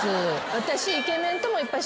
私。